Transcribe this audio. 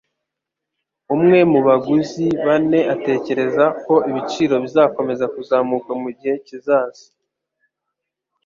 Umwe mubaguzi bane atekereza ko ibiciro bizakomeza kuzamuka mugihe kizaza